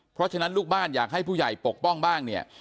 เพราะฉะนั้นลูกบ้านอยากให้ผู้ใหญ่ปกป้องบ้างเนี่ย